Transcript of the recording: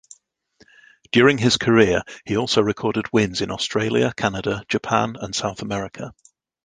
During his career, he also recorded wins in Australia, Canada, Japan, and South America.